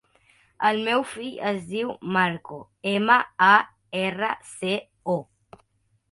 El meu fill es diu Marco: ema, a, erra, ce, o.